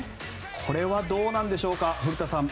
これはどうなんでしょうか古田さん。